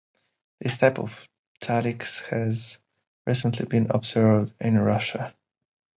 This type of taliks has recently been observed in Russia.